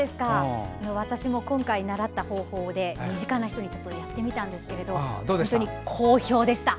私も今回習った方法で身近な人にやってみたんですけど本当に好評でした！